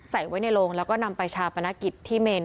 ใส่ไว้ในโรงแล้วก็นำไปชาปนกิจที่เมน